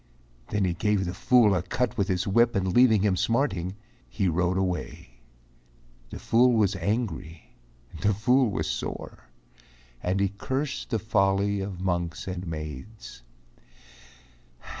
Then he gave the fool a cut with his whip And leaving him smarting, he rode away. The fool was angry, the fool was sore, And he cursed the folly of monks and maids.